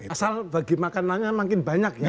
asal bagi makanannya makin banyak ya